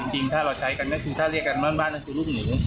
จริงถ้าเรียกอันบ้านบ้านนั้นถือรูปหนู